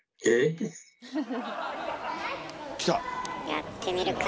やってみるか。